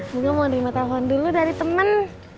bunga mau dima telfon dulu dari temen